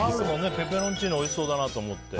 ペペロンチーノおいしそうだなと思って。